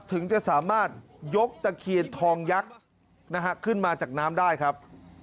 ถึงจะสามารถยกตะเคียนทองยักษ์นะฮะขึ้นมาจากน้ำได้ครับ